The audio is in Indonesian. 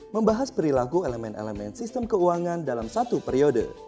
membahas perilaku elemen elemen sistem keuangan dalam satu periode